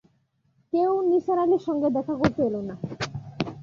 কেউ নিসার আলির সঙ্গে দেখা করতে এল না।